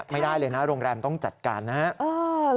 ไม่ได้เลยนะโรงแรมต้องจัดการนะครับ